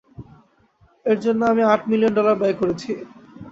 এর জন্য আমি আট মিলিয়ন ডলার ব্যয় করেছি!